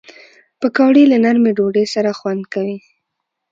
پکورې له نرمې ډوډۍ سره خوند کوي